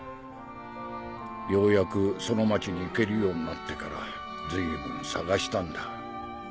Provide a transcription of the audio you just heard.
ようやくその町に行けるようになってから随分捜したんだ。